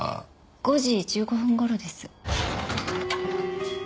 ５時１５分頃です。